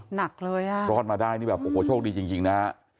หนักเลยอ่ะรอดมาได้นี่แบบโอ้โหโชคดีจริงนะฮะ